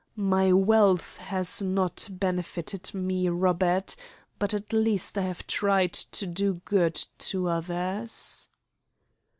My wealth has not benefited me, Robert, but at least I have tried to do good to others."